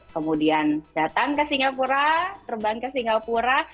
kemudian datang ke singapura terbang ke singapura